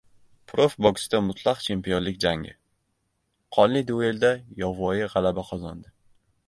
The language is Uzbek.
Prof boksda mutlaq chempionlik jangi. Qonli duelda “yovvoyi” g‘alaba qozondi